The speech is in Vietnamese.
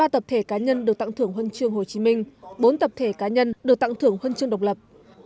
ba tập thể cá nhân được tặng thưởng huân chương hồ chí minh bốn tập thể cá nhân được tặng thưởng huân chương độc lập